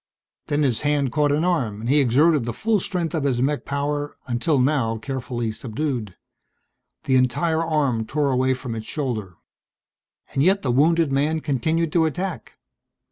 Then his hand caught an arm and he exerted the full strength of his mech power, until now carefully subdued. The entire arm tore away from its shoulder. And yet the wounded man continued to attack.